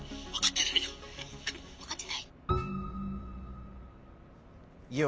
わかってないな」。